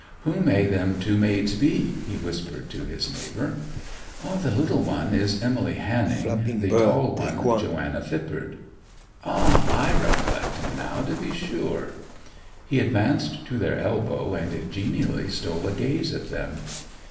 'Who may them two maids be?' he whispered to his neighbour. 'The little one is Emily Hanning; the tall one Joanna Phippard.' 'Ah! I recollect 'em now, to be sure.' He advanced to their elbow, and genially stole a gaze at them.